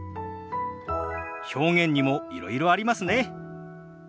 表現にもいろいろありますね。